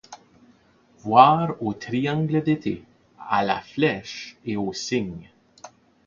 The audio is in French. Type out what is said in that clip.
Voir au triangle d'été, à la Flèche et au Cygne.